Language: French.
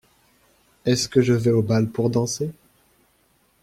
Est-ce que je vais au bal pour danser ?